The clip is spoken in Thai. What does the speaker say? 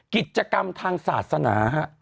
กิจกรรมทางศาสนาฮะ